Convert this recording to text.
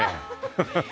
ハハハハ！